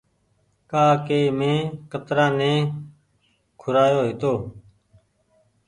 ڪآ ڪي مينٚ ڪترآ ني کورآيو هيتو